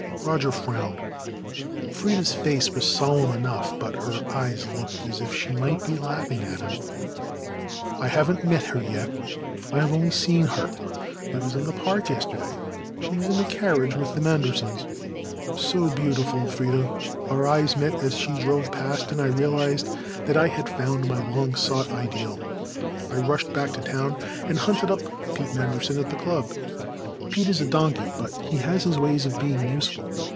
Roger frowned. Freda's face was solemn enough but her eyes looked as if she might be laughing at him. "I haven't met her yet. I have only seen her. It was in the park yesterday. She was in a carriage with the Mandersons. So beautiful, Freda! Our eyes met as she drove past and I realized that I had found my long sought ideal. I rushed back to town and hunted up Pete Manderson at the club. Pete is a donkey but he has his ways of being useful.